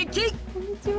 こんにちは。